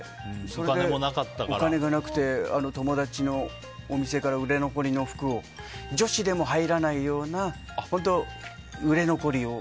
それでお金がなくて友達のお店から売れ残りの服を女子でも入らないような本当、売れ残りを。